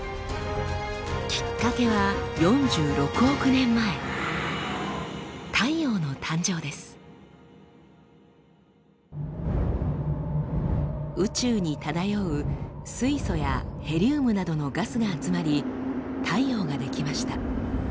きっかけは４６億年前宇宙に漂う水素やヘリウムなどのガスが集まり太陽が出来ました。